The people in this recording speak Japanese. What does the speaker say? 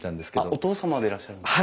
お父様でいらっしゃるんですか？